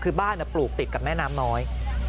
คือบ้านปลูกติดกับแม่น้ำน้อย